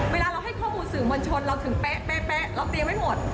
เวลาเราให้ข้อมูลสื่อมวลชนเราถึงเป๊ะเราเตรียมไว้หมด